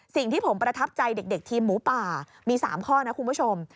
สิ่งที่ผมประทับใจเด็กทีมหมูป่ามี๓ข้อนะคุณผู้ชม